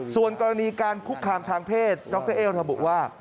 ส่วนกรณีการคุกคามทางเพศนเอ้วท่านบอกว่า